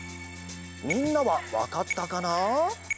みんなはわかったかな？